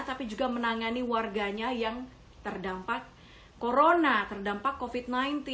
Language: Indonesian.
tapi juga menangani warganya yang terdampak corona terdampak covid sembilan belas